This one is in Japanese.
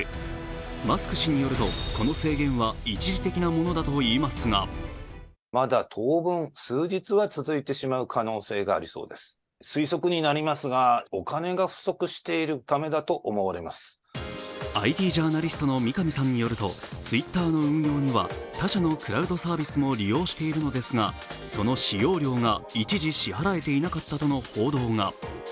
マスク氏によると、この制限は一時的なものだといいますがＩＴジャーナリストの三上さんによりますと、Ｔｗｉｔｔｅｒの運用には他社のクラウドサービスも利用しているのですがその使用料が一時支払えていなかったとの報道が。